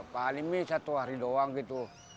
paling nih satu hari doang gitu